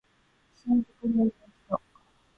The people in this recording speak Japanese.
新宿で寝る人